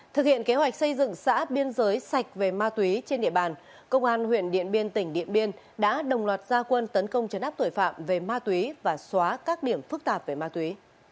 thực hiện kế hoạch xây dựng xã biên giới sạch về ma túy trên địa bàn công an huyện điện biên tỉnh điện biên đã đồng loạt gia quân tấn công chấn áp tội phạm về ma túy và xóa các điểm phức tạp về ma túy